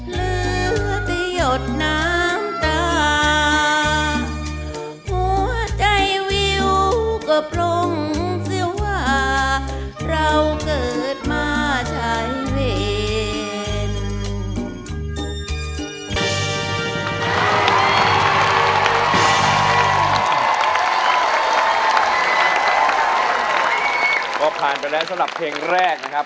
เลือดหยดน้ำตา